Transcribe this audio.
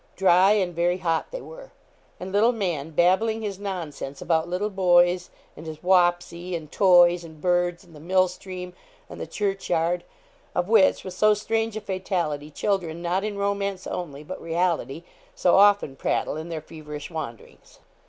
Dry and very hot they were and little man babbling his nonsense about little boys, and his 'Wapsie,' and toys, and birds, and the mill stream, and the church yard of which, with so strange a fatality, children, not in romance only, but reality, so often prattle in their feverish wanderings.